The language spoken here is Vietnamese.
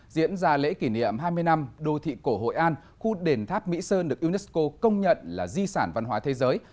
diễn ra lễ kỷ niệm hai mươi năm đô thị cổ hội an khu đền tháp mỹ sơn được unesco công nhận là di sản văn hóa thế giới